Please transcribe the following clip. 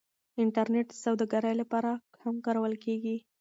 انټرنیټ د سوداګرۍ لپاره هم کارول کیږي.